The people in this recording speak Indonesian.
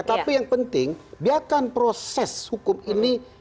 tapi yang penting biarkan proses hukum ini